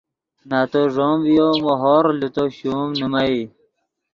نتو ݱوم ڤیو مو ہورغ لے تو شوم نیمئے